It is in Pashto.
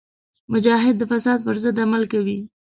مجاهد د فساد پر ضد عمل کوي.